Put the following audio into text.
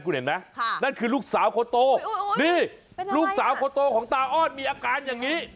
คุณเห็นไหมนั่นคือลูกสาวคนโตนี่ลูกสาวคนโตของตาอ้อนมีอาการอย่างนี้